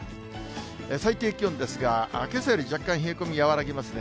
最低気温ですが、けさより若干冷え込み和らぎますね。